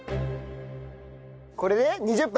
これで２０分。